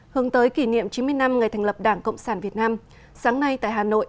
hướng tới kỷ niệm chín mươi năm ngày thành lập đảng cộng sản việt nam sáng nay tại hà nội